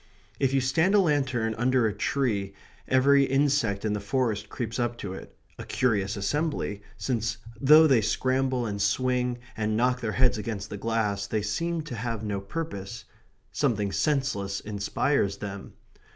... If you stand a lantern under a tree every insect in the forest creeps up to it a curious assembly, since though they scramble and swing and knock their heads against the glass, they seem to have no purpose something senseless inspires them.